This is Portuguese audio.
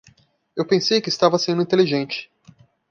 Eu pensei que estava sendo inteligente.